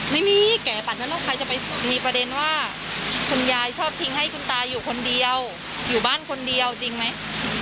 ไม่มีแกฝันว่าลูกใครจะไปมีประเด็นว่าคุณยายชอบทิ้งให้คุณตาอยู่คนเดียวอยู่บ้านคนเดียวจริงไหม